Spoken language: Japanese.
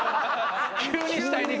急に死体に。